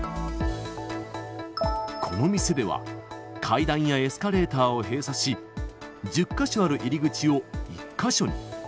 この店では、階段やエスカレーターを閉鎖し、１０か所ある入り口を１か所に。